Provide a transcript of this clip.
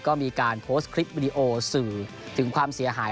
ก็มีการโพสต์คลิปวิดีโอสื่อถึงความเสียหาย